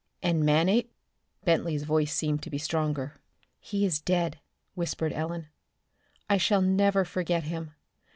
"And Manape?" Bentley's voice seemed to be stronger. "He is dead," whispered Ellen. "I shall never forget him.